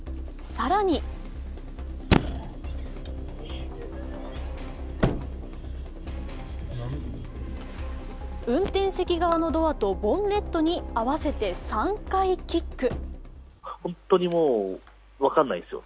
更に運転席側のドアとボンネットに合わせて３回キック。